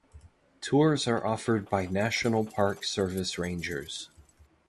Tours are offered by National Park Service rangers.